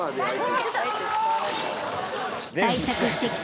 ［対策してきた］